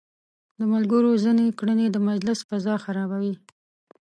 د ملګرو ځينې کړنې د مجلس فضا خرابوي.